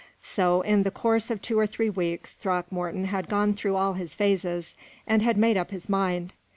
So, in the course of two or three weeks, Throckmorton had gone through all his phases, and had made up his mind.